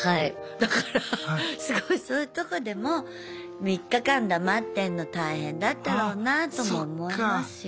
だからすごいそういうとこでも３日間黙ってんの大変だったろうなとも思いますよ。